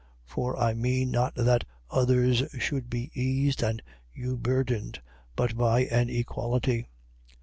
8:13. For I mean not that others should be eased and you burdened, but by an equality.